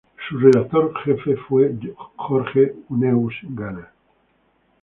Su redactor fue Jorge Huneeus Gana.